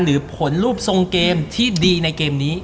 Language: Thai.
หรือผลรูปทรงเกมที่ดีในเกมนี้